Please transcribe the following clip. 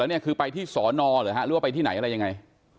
แล้วเนี่ยคือไปที่สอนอหรือฮะหรือว่าไปที่ไหนอะไรยังไง